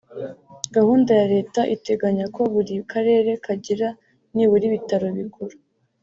Gahunda ya Leta iteganya ko buri Karere kagira nibura ibitaro bikuru